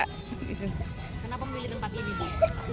kenapa membeli tempat ini